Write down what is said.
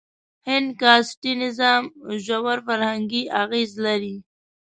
هند کاسټي نظام ژور فرهنګي اغېز لري.